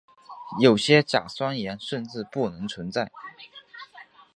有些甲酸盐甚至不能存在。